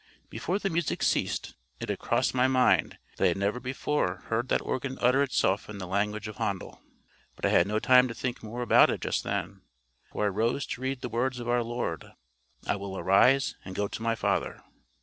—Before the music ceased, it had crossed my mind that I had never before heard that organ utter itself in the language of Handel. But I had no time to think more about it just then, for I rose to read the words of our Lord, "I will arise and go to my Father."